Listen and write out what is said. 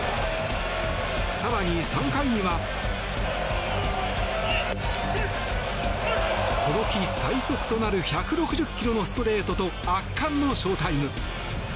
更に３回には、この日最速となる１６０キロのストレートと圧巻のショウタイム。